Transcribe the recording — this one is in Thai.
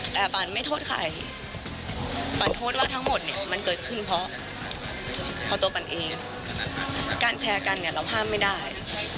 แต่ปันไม่โทษใครฝันโทษว่าทั้งหมดเนี่ยมันเกิดขึ้นเพราะตัวปันเองการแชร์กันเนี่ยเราห้ามไม่ได้